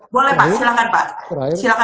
boleh pak silahkan pak silahkan pak